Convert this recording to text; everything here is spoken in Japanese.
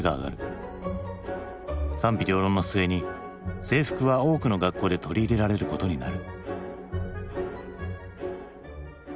賛否両論の末に制服は多くの学校で取り入れられることになる。